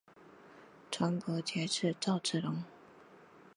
传伯爵至赵之龙。